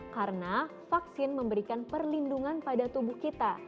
karena vaksin memberikan perlindungan pada tubuh kita